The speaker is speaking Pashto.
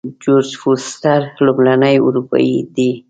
جورج فورسټر لومړنی اروپایی دی.